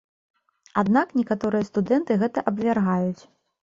Аднак некаторыя студэнты гэта абвяргаюць.